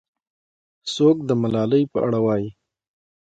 څوک د ملالۍ په اړه وایي؟